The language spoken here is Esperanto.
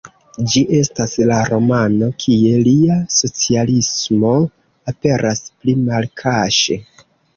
Ĝi estas la romano, kie lia socialismo aperas pli malkaŝe.